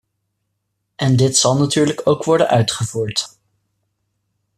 En dit zal natuurlijk ook worden uitgevoerd.